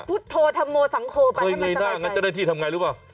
พุทโธธโมสังโคไปค่ะมันสบายใจจริงเคยเงยหน้างั้นจะได้ที่ทำมัยรึเปล่า